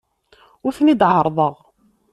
Ur ten-id-ɛerrḍeɣ.